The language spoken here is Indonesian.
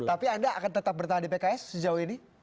tapi anda akan tetap bertahan di pks sejauh ini